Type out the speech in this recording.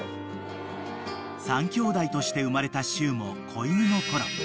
［３きょうだいとして生まれたしゅうも子犬のころ